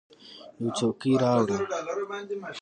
یوه څوکۍ راوړه !